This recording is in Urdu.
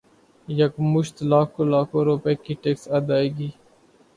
یکمشت لاکھوں لاکھوں روپے کے ٹیکس ادائیگی